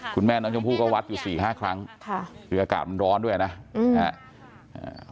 คุณแม่น้องชมพู่ก็วัดอยู่สี่ห้าครั้งค่ะคืออากาศมันร้อนด้วยนะอืมนะฮะอ่า